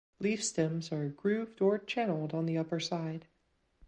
Leaf stems are grooved or channeled on the upper side.